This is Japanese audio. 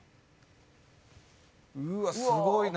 うわっすごいな。